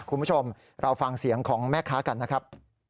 คุณผู้ชมเราฟังเสียงของแม่ค้ากันนะครับ